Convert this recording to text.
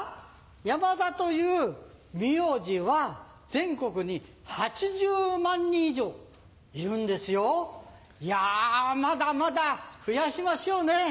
山田という名字は全国に８０万人以上いるんですよ。やまだまだ増やしましょうね。